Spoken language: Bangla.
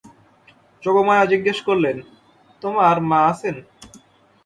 যোগমায়া জিজ্ঞাসা করলেন, তোমার মা আছেন?